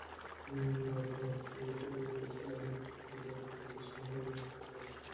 রুকানা রাসূল সাল্লাল্লাহু আলাইহি ওয়াসাল্লাম-এর প্রতি অবজ্ঞার দৃষ্টি হানে এবং উপহাস করতে থাকে।